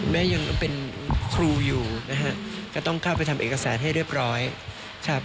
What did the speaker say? ยังเป็นครูอยู่นะฮะก็ต้องเข้าไปทำเอกสารให้เรียบร้อยครับ